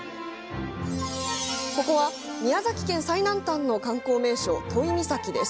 ここは宮崎県最南端の観光名所都井岬です。